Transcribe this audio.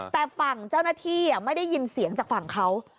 แต่ฝั่งเจ้าหน้าที่ไม่ได้ยินเสียงจากฝั่งเขา